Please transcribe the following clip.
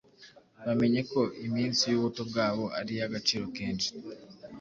bamenye ko iminsi y’ubuto bwabo ari iy’agaciro kenshi